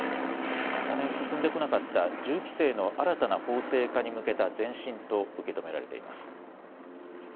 長年、進んでこなかった銃規制の新たな法制化に向けた前進と受け止められています。